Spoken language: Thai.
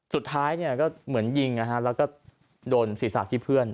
สุดท้ายก็เหมือนยิงแล้วก็โดนศีรษะที่เพื่อน